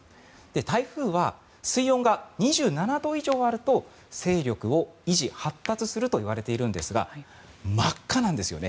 台風は水温が２７度以上あると勢力を維持、発達するといわれているんですが真っ赤なんですよね。